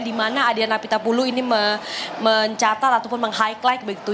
di mana adiana pitapulu ini mencatat ataupun meng highlight begitu